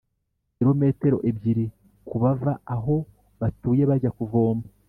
kilometero ebyiri ku bava aho batuye bajya kuvoma